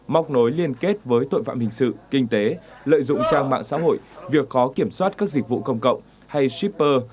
móc nối liên kết với tội phạm hình sự kinh tế lợi dụng trang mạng xã hội việc khó kiểm soát các dịch vụ công cộng hay shipper